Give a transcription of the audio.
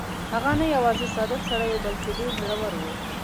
هغه نه یوازې صادق سړی وو بلکې ډېر زړه ور وو.